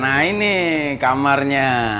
nah ini kamarnya